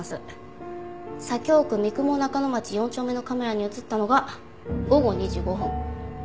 左京区三雲中ノ町４丁目のカメラに映ったのが午後２時５分。